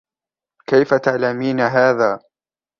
كيفَ تعلمين هذا؟